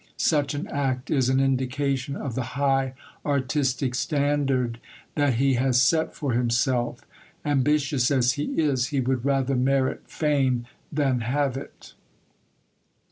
Such an act is an indication of the high artistic standard that he has set for himself; ambitious as he is, he would rather merit fame than have it.